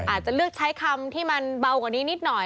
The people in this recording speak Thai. อาจจะเลือกใช้คำที่มันเบากว่านี้นิดหน่อย